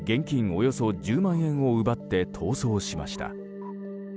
およそ１０万円を奪って逃走しました。